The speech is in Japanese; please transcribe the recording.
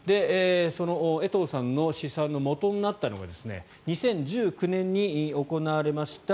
その江藤さんの試算のもとになったのが２０１９年に行われました